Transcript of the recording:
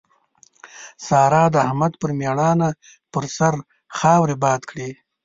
سارا د احمد پر ميړانه پر سر خاورې باد کړې.